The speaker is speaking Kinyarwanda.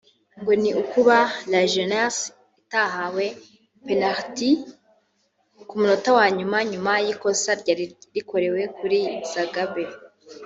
ngo ni ukuba La Jeunesse itahawe penaliti ku munota wa nyuma nyuma y’ikosa ryari rikorewe kuri Zagabe